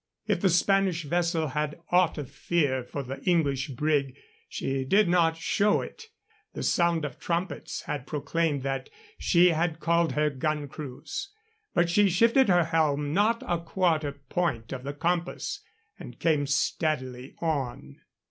If the Spanish vessel had aught of fear of the English brig, she did not show it. The sound of trumpets had proclaimed that she had called her gun crews, but she shifted her helm not a quarter point of the compass and came steadily on.